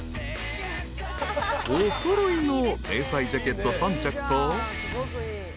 ［お揃いの迷彩ジャケット３着と］